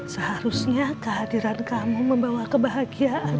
seharusnya kehadiran kamu membawa kebahagiaan